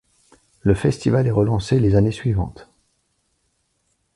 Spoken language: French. Le festival est relancé les années suivantes.